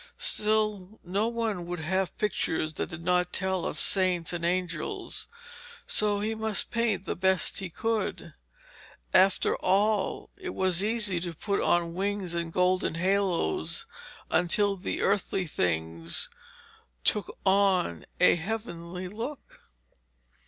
Still no one would have pictures which did not tell of saints and angels, so he must paint the best he could. After all, it was easy to put on wings and golden haloes until the earthly things took on a heavenly look.